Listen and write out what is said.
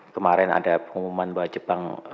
kemarin ada pengumuman bahwa jepang